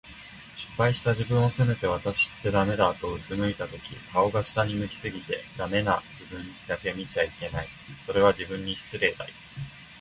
失敗した自分を責めて、「わたしってダメだ」と俯いたとき、顔が下を向き過ぎて、“ダメ”な自分だけ見ちゃいけない。それは、自分に失礼だよ。